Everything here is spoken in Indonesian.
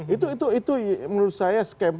itu menurut saya skema yang ada di benak timpang